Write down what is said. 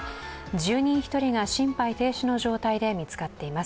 住人１人が心肺停止の状態で見つかっています。